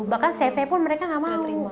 bahkan cv pun mereka gak mau